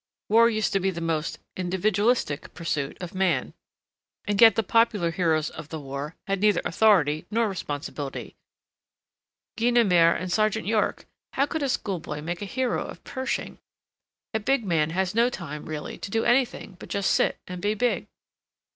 War used to be the most individualistic pursuit of man, and yet the popular heroes of the war had neither authority nor responsibility: Guynemer and Sergeant York. How could a schoolboy make a hero of Pershing? A big man has no time really to do anything but just sit and be big."